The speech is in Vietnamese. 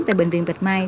tại bệnh viện bạch mai